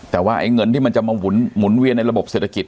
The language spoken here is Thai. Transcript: แต่ว่าไอ้เงินที่มันจะมาหมุนเวียนในระบบเศรษฐกิจ